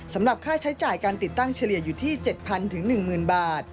สำหรับค่าใช้จ่ายการติดตั้งเฉลี่ยอยู่ที่๗๐๐๑๐๐บาท